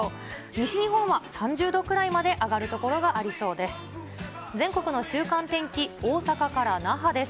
西日本は３０度くらいまで上がる所がありそうです。